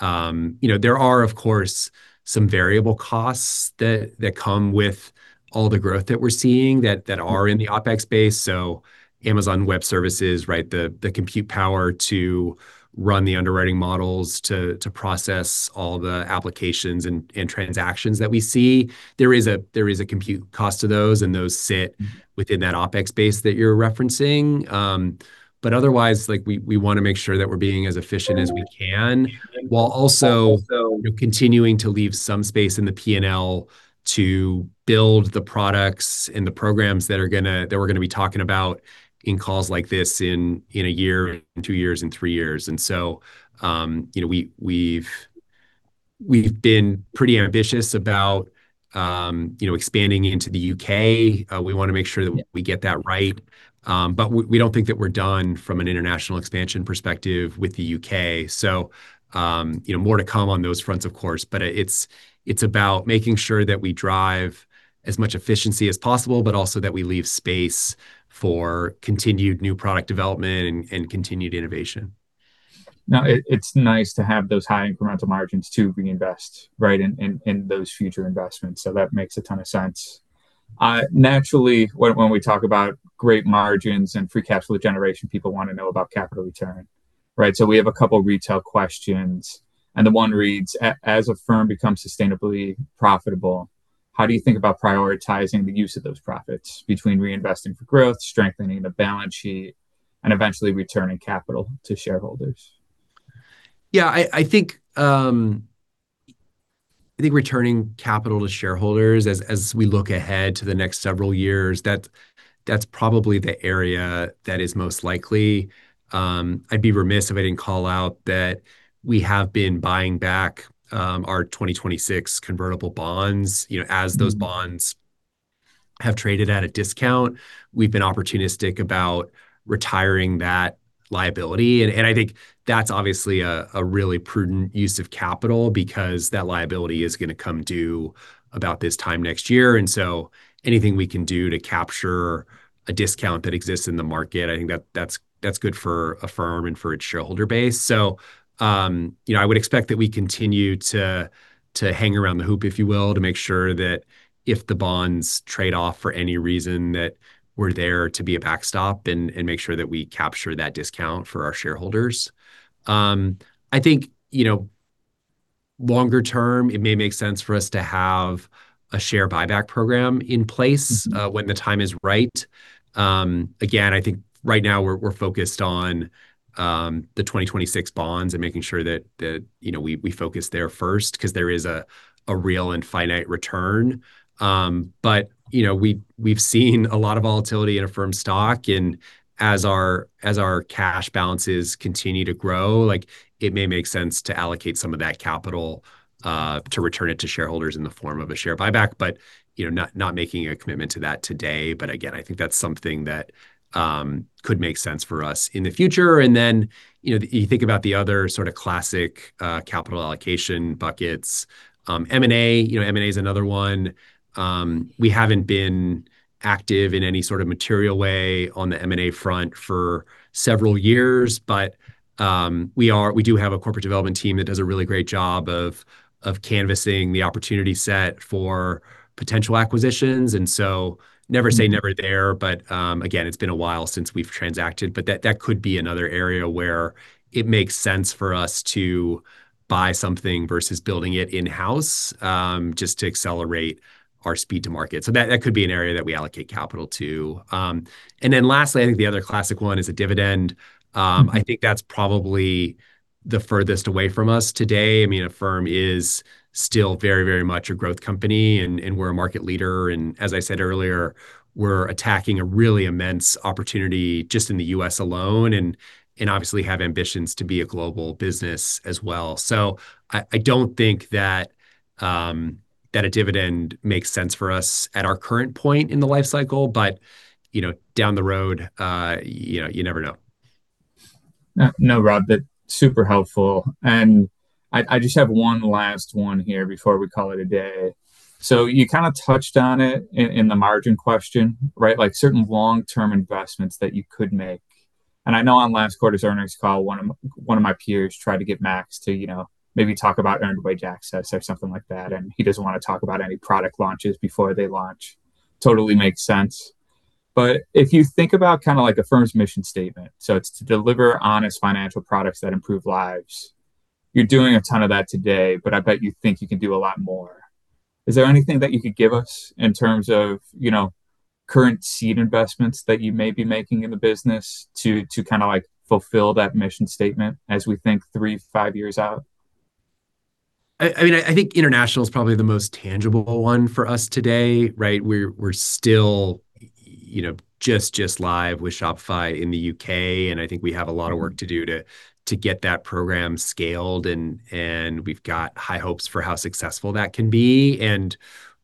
You know, there are of course some variable costs that come with all the growth that we're seeing that are in the OPEX space, so Amazon Web Services, right? The compute power to run the underwriting models to process all the applications and transactions that we see. There is a compute cost to those, and those sit within that OPEX space that you're referencing. But otherwise, like we wanna make sure that we're being as efficient as we can while also continuing to leave some space in the P&L to build the products and the programs that we're gonna be talking about in calls like this in a year, in two years, in three years. And so, you know, we've been pretty ambitious about, you know, expanding into the U.K. We wanna make sure that we get that right. But we don't think that we're done from an international expansion perspective with the U.K. So, you know, more to come on those fronts, of course, but it's about making sure that we drive as much efficiency as possible, but also that we leave space for continued new product development and continued innovation. Now, it's nice to have those high incremental margins to reinvest, right? And those future investments. So that makes a ton of sense. Naturally, when we talk about great margins and free cash flow generation, people wanna know about capital return, right? So we have a couple retail questions, and the one reads, as a firm becomes sustainably profitable, how do you think about prioritizing the use of those profits between reinvesting for growth, strengthening the balance sheet, and eventually returning capital to shareholders? Yeah, I think returning capital to shareholders as we look ahead to the next several years, that's probably the area that is most likely. I'd be remiss if I didn't call out that we have been buying back our 2026 convertible bonds, you know, as those bonds have traded at a discount. We've been opportunistic about retiring that liability. And I think that's obviously a really prudent use of capital because that liability is gonna come due about this time next year. And so anything we can do to capture a discount that exists in the market, I think that's good for Affirm and for its shareholder base. You know, I would expect that we continue to hang around the hoop, if you will, to make sure that if the bonds trade off for any reason, that we're there to be a backstop and make sure that we capture that discount for our shareholders. I think, you know, longer term, it may make sense for us to have a share buyback program in place, when the time is right. Again, I think right now we're focused on the 2026 bonds and making sure that you know we focus there first 'cause there is a real and finite return. But, you know, we've seen a lot of volatility in Affirm stock, and as our cash balances continue to grow, like it may make sense to allocate some of that capital to return it to shareholders in the form of a share buyback, but, you know, not making a commitment to that today. But again, I think that's something that could make sense for us in the future. And then, you know, you think about the other sort of classic capital allocation buckets, M&A. You know, M&A is another one. We haven't been active in any sort of material way on the M&A front for several years, but we do have a corporate development team that does a really great job of canvassing the opportunity set for potential acquisitions. And so never say never there, but, again, it's been a while since we've transacted, but that, that could be another area where it makes sense for us to buy something versus building it in-house, just to accelerate our speed to market. So that, that could be an area that we allocate capital to, and then lastly, I think the other classic one is a dividend. I think that's probably the furthest away from us today. I mean, Affirm is still very, very much a growth company and, and we're a market leader. And as I said earlier, we're attacking a really immense opportunity just in the U.S. alone and, and obviously have ambitions to be a global business as well. So, I don't think that a dividend makes sense for us at our current point in the life cycle, but you know, down the road, you know, you never know. No, no, Rob, that's super helpful. And I just have one last one here before we call it a day. So you kind of touched on it in the margin question, right? Like certain long-term investments that you could make. And I know on last quarter's earnings call, one of my peers tried to get Max to, you know, maybe talk about earned wage access or something like that. And he doesn't wanna talk about any product launches before they launch. Totally makes sense. But if you think about kind of like Affirm's mission statement, so it's to deliver honest financial products that improve lives. You're doing a ton of that today, but I bet you think you can do a lot more. Is there anything that you could give us in terms of, you know, current seed investments that you may be making in the business to kind of like fulfill that mission statement as we think three, five years out? I mean, I think international is probably the most tangible one for us today, right? We're still, you know, just live with Shopify in the U.K. And I think we have a lot of work to do to get that program scaled. And we've got high hopes for how successful that can be. And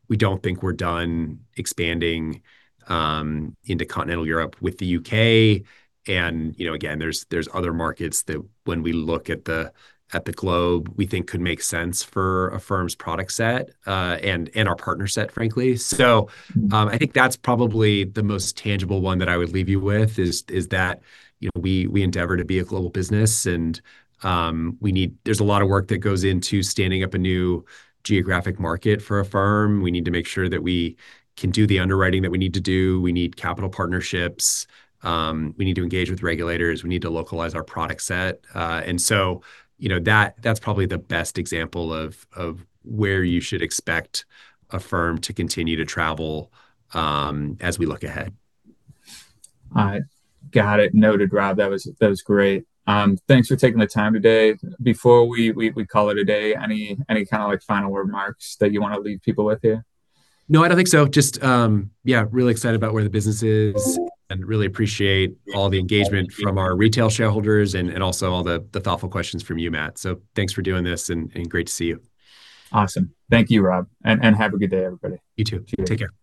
we don't think we're done expanding into Continental Europe with the U.K. And, you know, again, there's other markets that when we look at the globe, we think could make sense for Affirm's product set, and our partner set, frankly. So, I think that's probably the most tangible one that I would leave you with is that, you know, we endeavor to be a global business, and there's a lot of work that goes into standing up a new geographic market for Affirm. We need to make sure that we can do the underwriting that we need to do. We need capital partnerships. We need to engage with regulators. We need to localize our product set. And so, you know, that's probably the best example of where you should expect Affirm to continue to travel as we look ahead. I got it. Noted, Rob. That was great. Thanks for taking the time today. Before we call it a day, any kind of like final remarks that you wanna leave people with here? No, I don't think so. Just, yeah, really excited about where the business is and really appreciate all the engagement from our retail shareholders and also all the thoughtful questions from you, Matt. So thanks for doing this and great to see you. Awesome. Thank you, Rob, and have a good day, everybody. You too. Take care.